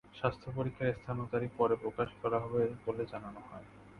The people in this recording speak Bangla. স্বাস্থ্য পরীক্ষার স্থান ও তারিখ পরে প্রকাশ করা হবে বলে জানানো হয়।